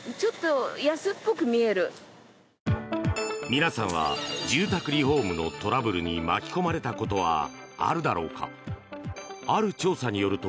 皆さんは住宅リフォームのトラブルに巻き込まれたことはあるだろうか。